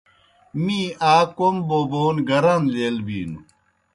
می آ کوْم بوبون گران لیل بِینوْ۔